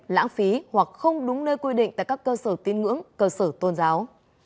lãng phí hoặc không đúng nơi quy định tại các cơ sở tiên ngưỡng cơ sở tôn giáo